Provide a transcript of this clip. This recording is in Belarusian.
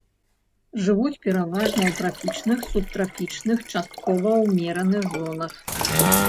Жывуць пераважна ў трапічных, субтрапічных, часткова ўмераных зонах.